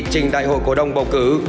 trình đại hội cổ đông bầu cử